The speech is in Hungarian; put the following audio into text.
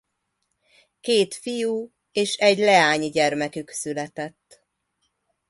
Két fiú- és egy leánygyermekük született.